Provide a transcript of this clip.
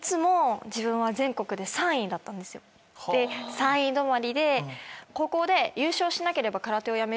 ３位止まりで。